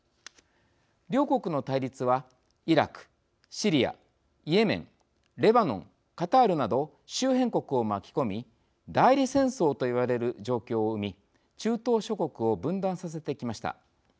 両国の対立は、イラク、シリアイエメン、レバノンカタールなど周辺国を巻き込み代理戦争と言われる状況を生み中東諸国を分断させてきました。